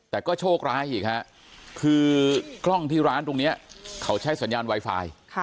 แต่ก็โชคร้ายอีกฮะคือกล้องที่ร้านตรงนี้เขาใช้สัญญาณไวไฟ